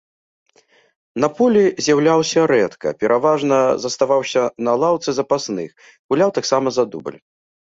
На полі з'яўляўся рэдка, пераважна заставаўся на лаўцы запасных, гуляў таксама за дубль.